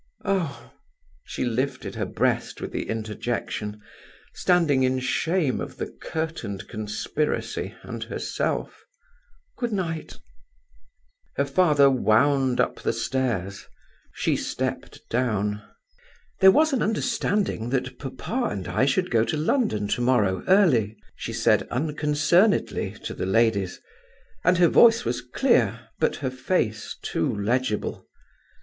"Oh!" she lifted her breast with the interjection, standing in shame of the curtained conspiracy and herself, "good night". Her father wound up the stairs. She stepped down. "There was an understanding that papa and I should go to London to morrow early," she said, unconcernedly, to the ladies, and her voice was clear, but her face too legible.